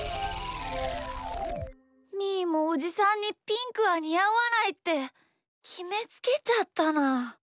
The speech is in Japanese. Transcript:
みーもおじさんにピンクはにあわないってきめつけちゃったな。